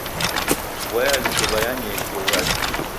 Vua ya lukuw'a yanyee kio ghadi.